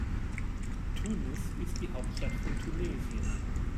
Tunis ist die Hauptstadt von Tunesien.